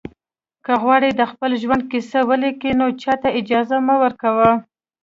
که غواړئ د خپل ژوند کیسه ولیکئ نو چاته اجازه مه ورکوئ.